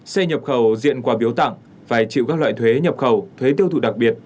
xe nhập khẩu diện quà biếu tặng phải chịu các loại thuế nhập khẩu thuế tiêu thụ đặc biệt